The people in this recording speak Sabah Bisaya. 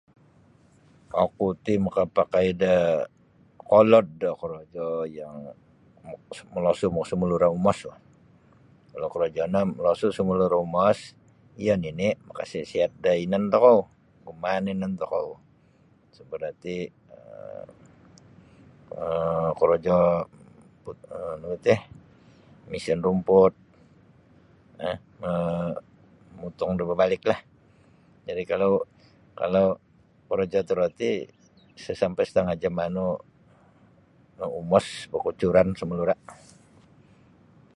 Oku ti makapakai da kolod da korojo yang malosu samalura umos bah kalau korojo no malasu isa samalura umos ia nini makasisiat da inan tokou umaan inan tokou so barati um korojo um nu ti misin rumput um ma-mamutung da babalik lah jadi kalau kalau korojo toroti isa sampai satangah jam manu umos bakucuran samalura.